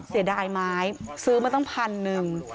เสียดายไม้ซื้อมาตั้งพันหนึ่ง